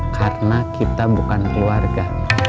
karena kita bukan keluarga